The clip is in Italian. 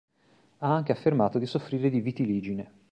Ha anche affermato di soffrire di vitiligine.